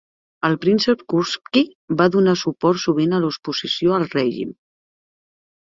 El príncep Kurbsky va donar suport sovint a l'oposició al règim.